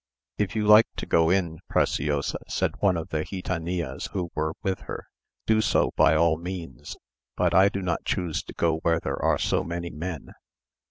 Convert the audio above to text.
"If you like to go in, Preciosa," said one of the gitanillas who were with her, "do so by all means; but I do not choose to go where there are so many men."